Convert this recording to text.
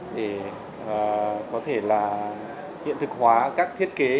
để có thể là hiện thực hóa các thiết kế